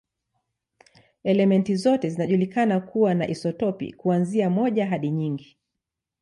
Elementi zote zinajulikana kuwa na isotopi, kuanzia moja hadi nyingi.